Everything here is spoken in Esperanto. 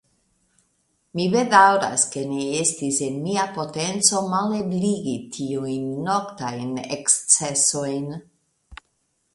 Mi bedaŭras, ke ne estis en mia potenco malebligi tiujn noktajn ekscesojn.